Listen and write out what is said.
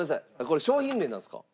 これ商品名なんですか？